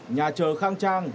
nhà trờ khang trang